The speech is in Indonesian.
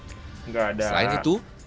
selain itu tekanan dalam sport massage